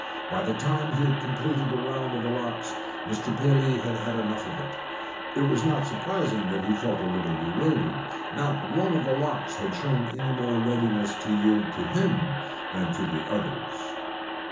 By the time he had completed the round of the locks, Mr. Paley had had about enough of it. It was not surprising that he felt a little bewildered not one of the locks had shown any more readiness to yield to him than to the others.